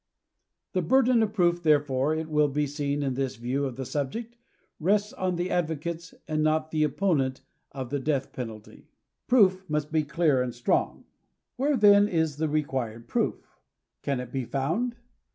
The burden of proof, therefore, it will be seen in this view of the subject, rests on the advocates and not the opposert of the penalty of death. PROOF MUST BE CLEAR AND BTRONO. Where then is the required proof ? Can it be found